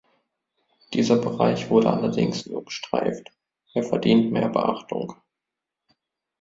Dieser Bereich wurde allerdings nur gestreift, er verdient mehr Beachtung.